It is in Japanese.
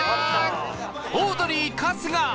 オードリー春日